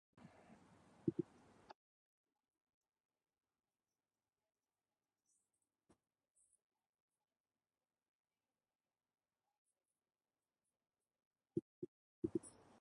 She published English and French textbooks and was active in school issues.